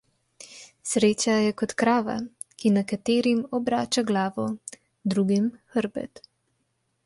Sreča je kot krava, ki nekaterim obrača glavo, drugim hrbet.